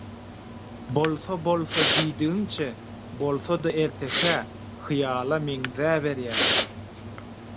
Bolsa-bolsa diýdigiňçe, bolsada, ertekä, hyýala meňzäberýär.